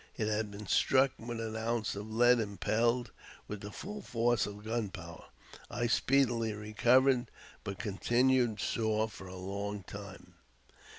It had been struck with an ounce of lead impelled with the full force of gunpowder. I speedily re covered, but continued sore for a long time.